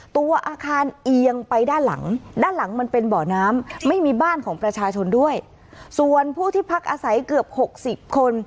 ที่มีบ้านของประชาชนด้วยส่วนผู้ที่พักอาศัยเกือบ๖๐คน